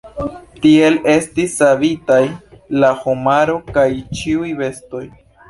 Tiel estis savitaj la homaro kaj ĉiuj bestoj.